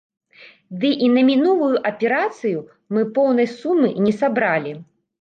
Ды і на мінулую аперацыю мы поўнай сумы не сабралі.